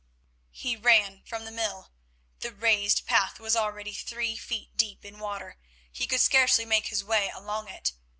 He ran from the mill; the raised path was already three feet deep in water; he could scarcely make his way along it.